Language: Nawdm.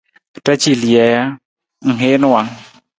Ra ci lija ja, ng heen wang?